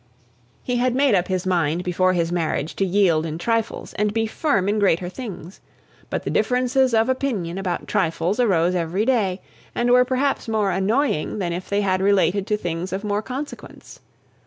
He had made up his mind before his marriage to yield in trifles, and be firm in greater things. But the differences of opinion about trifles arose every day, and were perhaps more annoying than if they had related to things of more consequence.